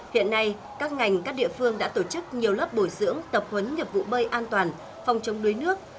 hiện nay các ngành các địa phương đã tổ chức nhiều lớp bồi dưỡng tập huấn nghiệp vụ bơi an toàn phòng chống đuối nước